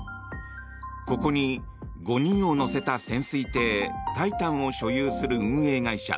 ここに５人を乗せた潜水艇「タイタン」を所有する運営会社